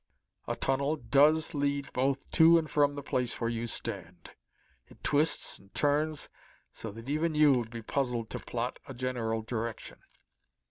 A tunnel does lead both to and from the place where you stand. It twists and turns so that even you would be puzzled to plot a general direction.